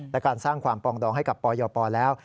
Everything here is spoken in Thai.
และการสร้างความปองดองให้กับปยปแล้ว